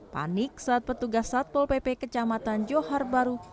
panik saat petugas satpol pp kecamatan johar baru